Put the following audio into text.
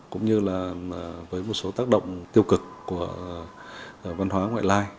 cũng như là với một số tác động tiêu cực của văn hóa ngoại lai